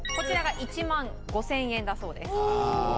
こちらが１万５０００円だそうです。